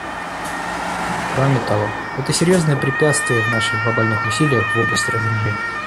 Кроме того, это серьезное препятствие в наших глобальных усилиях в области разоружения.